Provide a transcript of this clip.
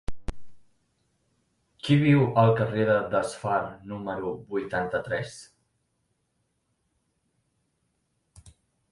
Qui viu al carrer de Desfar número vuitanta-tres?